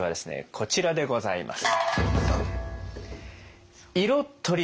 こちらでございます。